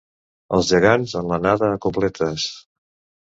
Els gegants en l'anada a Completes.